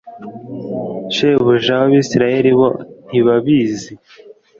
Shebujawa abisirayeli bo ntibabizi